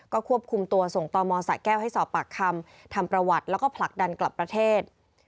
ก็ควบคุมตัวส่งตมสะแก้วให้สอบปากคำทำประวัติแล้วก็ผลักดันกลับประเทศ